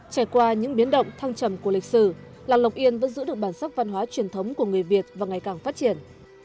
trải qua những biến động thăng trầm của lịch sử làng lộc yên vẫn giữ được bản sắc văn hóa truyền thống của người việt và ngày càng phát triển